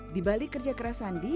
di balik kerja keras sandi